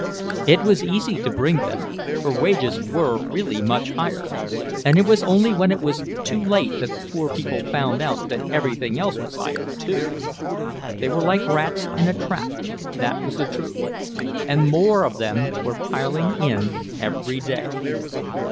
It was easy to bring them, for wages were really much higher, and it was only when it was too late that the poor people found out that everything else was higher too. They were like rats in a trap, that was the truth; and more of them were piling in every day.